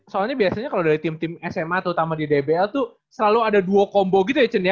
soalnya biasanya kalo dari team team sma terutama di dbl tuh selalu ada duo combo gitu ya cen ya